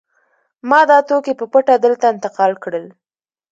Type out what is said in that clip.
ما دا توکي په پټه دلته انتقال کړل